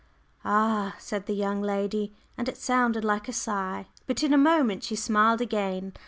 "Ah," said the young lady, and it sounded like a sigh. But in a moment she smiled again.